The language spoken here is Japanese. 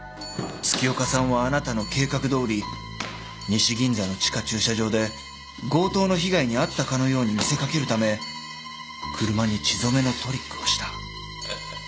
月岡さんはあなたの計画どおり西銀座の地下駐車場で強盗の被害に遭ったかのように見せ掛けるため車に血染めのトリックをした。